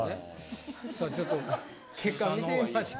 さあちょっと結果見てみましょう。